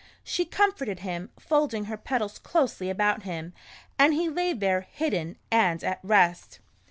She comforted him, folding her petals closely about him, and he lay there hidden and at rest.